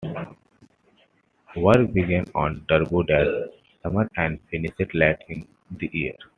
Work began on "Turbo" that summer and finished late in the year.